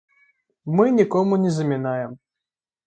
Мы нікому не замінаем.